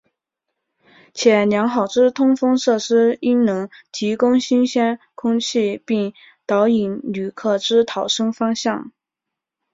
且良好之通风设施应能提供新鲜空气并导引旅客之逃生方向。